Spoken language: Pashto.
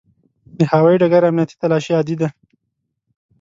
د هوایي ډګر امنیتي تلاشي عادي ده.